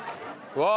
うわ！